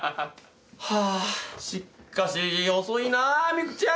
はぁしっかし遅いなぁミクちゃん。